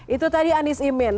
itu tadi anies imin